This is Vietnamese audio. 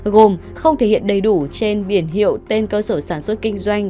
gồm không thể hiện đầy đủ trên biển hiệu tên cơ sở sản xuất kinh doanh